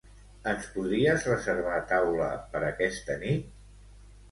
Ens podries reservar taula per aquesta nit?